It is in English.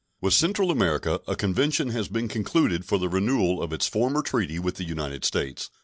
With Central America a convention has been concluded for the renewal of its former treaty with the United States.